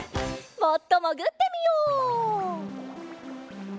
もっともぐってみよう。